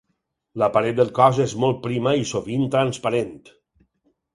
La paret del cos és molt prima i sovint transparent.